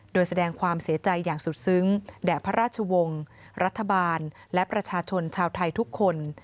โดยแสดงความเสียใจอย่างสุดซึ้งแด่พระราชวงศ์รัฐบาลและประชาชนชาวไทยทุกคน